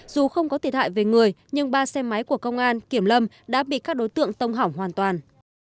dù không có thiệt hại về người nhưng ba xe máy của công an kiểm lâm đã bị các đối tượng tông hỏng hoàn toàn